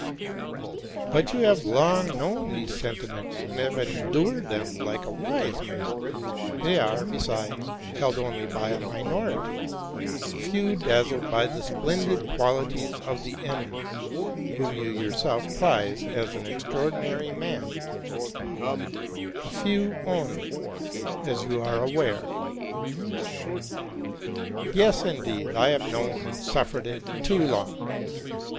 '* But you have long known these sentiments, and have endured them like a wise man: they are, besides, held only by a minority. A few, dazzled by the splendid qualities of the enemy, whom you yourself prize as an extraordinary man, —a few only, as you are aware."' a RELATING TO MY LIFE. 85 '¢' Yes, indeed! I have known and suffered it too long!